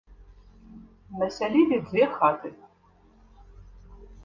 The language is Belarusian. На сялібе дзве хаты.